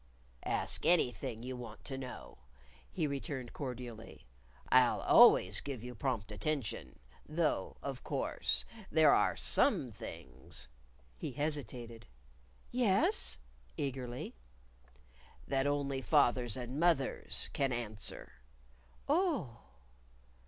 "Ask anything you want to know," he returned cordially. "I'll always give you prompt attention. Though of course, there are some things " He hesitated. "Yes?" eagerly. "That only fathers and mothers can answer." "Oh!"